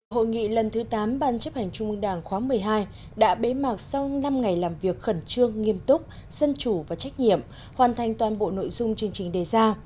hội nghị lần thứ tám ban chấp hành trung ương đảng khóa một mươi hai đã bế mạc sau năm ngày làm việc khẩn trương nghiêm túc dân chủ và trách nhiệm hoàn thành toàn bộ nội dung chương trình đề ra